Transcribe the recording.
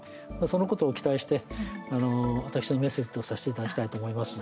そのことを期待して私のメッセージとさせていただきたいと思います。